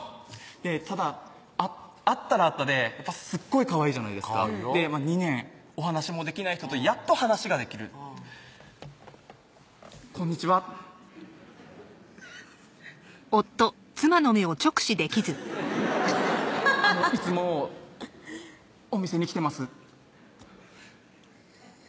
ただ会ったら会ったですっごいかわいいじゃないですか２年お話もできない人とやっと話ができる「こんにちは」「いつもお店に来てます」